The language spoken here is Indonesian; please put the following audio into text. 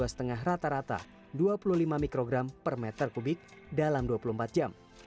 pemilikan air visual di jakarta adalah rata rata dua puluh lima mikrogram per meter kubik dalam dua puluh empat jam